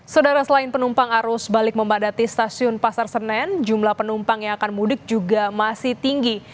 saudara selain penumpang arus balik memadati stasiun pasar senen jumlah penumpang yang akan mudik juga masih tinggi